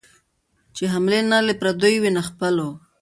چي حملې نه له پردیو وي نه خپلو